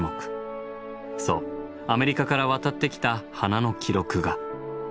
そうアメリカから渡ってきた花の記録が。